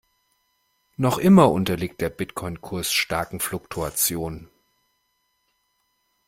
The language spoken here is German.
Noch immer unterliegt der Bitcoin-Kurs starken Fluktuationen.